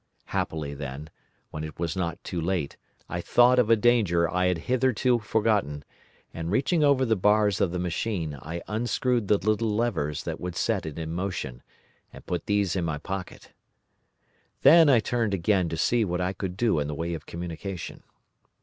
Happily then, when it was not too late, I thought of a danger I had hitherto forgotten, and reaching over the bars of the machine I unscrewed the little levers that would set it in motion, and put these in my pocket. Then I turned again to see what I could do in the way of communication.